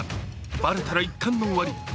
バレたら一巻の終わり。